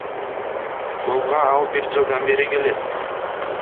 Клубга ал бир жылдан бери келет.